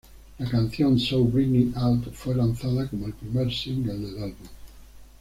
La canción "So Bring It On" fue lanzado como el primer single del álbum.